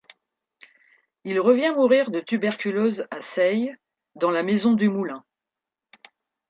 Il revient mourir de tuberculose à Seilles, dans la maison du moulin.